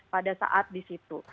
pada saat di situ